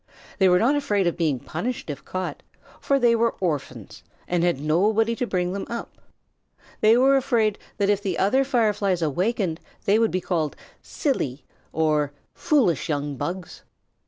They were not afraid of being punished if caught, for they were orphans and had nobody to bring them up. They were afraid that if the other Fireflies awakened they would be called "silly" or "foolish young bugs."